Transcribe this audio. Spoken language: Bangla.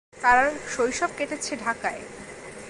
তার শৈশব কেটেছে ঢাকায়।